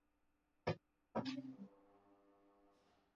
Mimi ndimi mwalimu wenu.